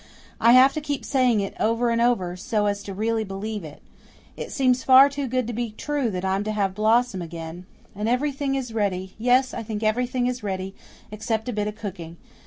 "I have to keep saying it over and over, so as to really believe it. It seems far too good to be true that I'm to have Blossom again. And everything is ready. Yes, I think everything is ready, except a bit of cooking.